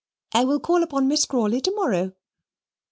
I will call upon Miss Crawley tomorrow."